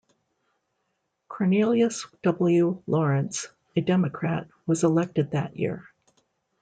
Cornelius W. Lawrence, a Democrat, was elected that year.